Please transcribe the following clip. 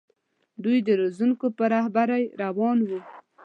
دوی د روزونکو په رهبرۍ روان وو.